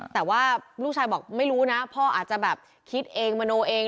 แต่ว่าลูกชายบอกไม่รู้นะพ่ออาจจะแบบคิดเองมโนเอง